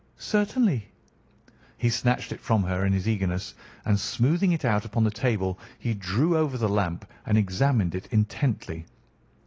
"Certainly." He snatched it from her in his eagerness, and smoothing it out upon the table he drew over the lamp and examined it intently.